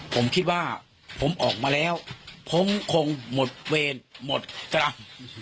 ผมคิดว่าผมออกมาแล้วผมคงหมดเวรหมดกรรม